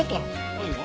何が？